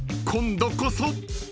［今度こそ］